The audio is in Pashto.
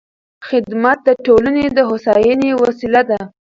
خدمت د ټولنې د هوساینې وسیله ده.